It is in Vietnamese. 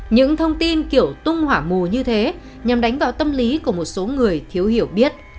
những thông tin kiểu tung hỏa mù như thế nhằm đánh vào tâm lý của một số người thiếu hiểu biết